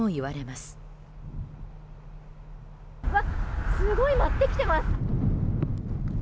すごい舞ってきています。